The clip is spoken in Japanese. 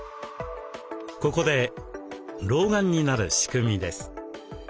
ここで老眼になる仕組みです。